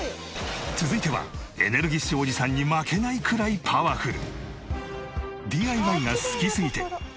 続いてはエネルギッシュおじさんに負けないくらいパワフル。